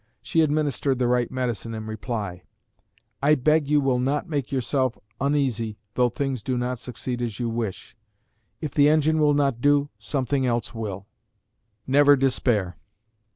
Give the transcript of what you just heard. She administered the right medicine in reply, "I beg you will not make yourself uneasy though things do not succeed as you wish. If the engine will not do, something else will; never despair."